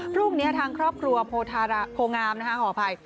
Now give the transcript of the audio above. พรุ่งนี้ทางครอบครัวโพธาราโพงามนะคะขออภัย